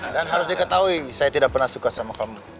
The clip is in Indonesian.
dan harus diketahui saya tidak pernah suka sama kamu